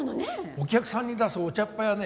お客さんに出すお茶っ葉やね